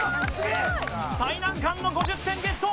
最難関の５０点ゲット。